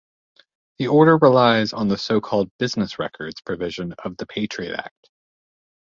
The order relies on the so-called "business records" provision of the Patriot Act.